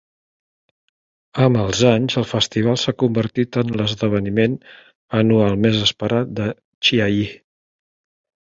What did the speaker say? Amb els anys, el festival s'ha convertit en l'esdeveniment anual més esperat de Chiayi.